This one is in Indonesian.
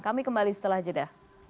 kami kembali setelah jeda